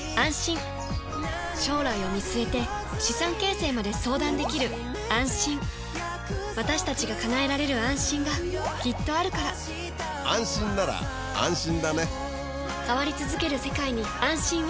将来を見据えて資産形成まで相談できる「あんしん」私たちが叶えられる「あんしん」がきっとあるから変わりつづける世界に、「あんしん」を。